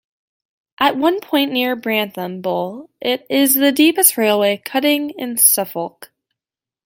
At one point near Brantham Bull it is the deepest railway cutting in Suffolk.